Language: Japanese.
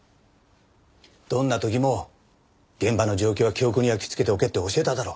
どんな時も現場の状況は記憶に焼きつけておけって教えただろ？